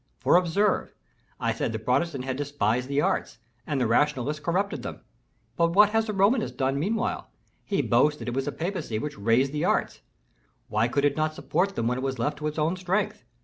For observe: I said the Protestant had despised the arts, and the Rationalist corrupted them. But what has the Romanist done meanwhile? He boasts that it was the papacy which raised the arts; why could it not support them when it was left to its own strength?